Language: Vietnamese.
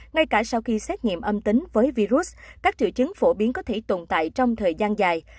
ngay cả sau khi xét nghiệm âm tính với virus các triệu chứng phổ biến có thể tồn tại trong thời gian dài